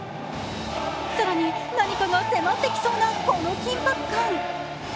更に何かが迫ってきそうなこの緊迫感。